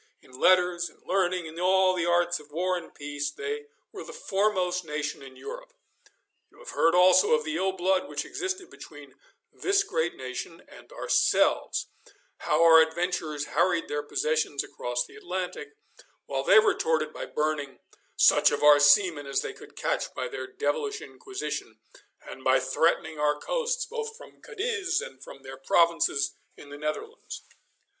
In letters, in learning, in all the arts of war and peace they were the foremost nation in Europe. You have heard also of the ill blood which existed between this great nation and ourselves; how our adventurers harried their possessions across the Atlantic, while they retorted by burning such of our seamen as they could catch by their devilish Inquisition, and by threatening our coasts both from Cadiz and from their provinces in the Netherlands.